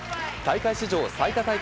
大会史上最多